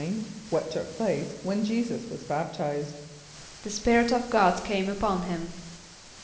= What took place when J[=e]´[s+]us was baptized? =The Spirit of God came upon him.